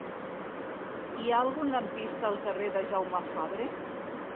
Hi ha algun lampista al carrer de Jaume Fabre?